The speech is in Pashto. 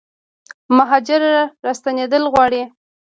مهاجر راستنیدل غواړي